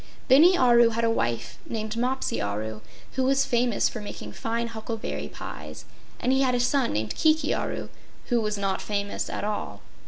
Bini Aru had a wife named Mopsi Aru who was famous for making fine huckleberry pies, and he had a son named Kiki Aru who was not famous at all.